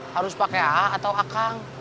harus pakai a atau akang